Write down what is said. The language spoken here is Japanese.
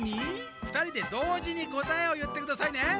ふたりでどうじにこたえをいってくださいね。